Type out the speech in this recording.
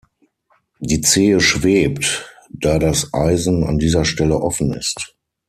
Die Zehe schwebt, da das Eisen an dieser Stelle offen ist.